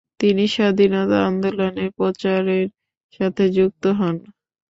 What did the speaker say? তিনি স্বাধীনতা আন্দোলনের প্রচারের সাথে যুক্ত হন।